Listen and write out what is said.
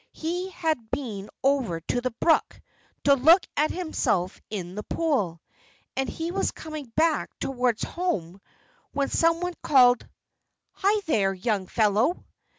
He had been over to the brook, to look at himself in a pool. And he was coming back towards home when some one called: "Hi, there, young fellow!"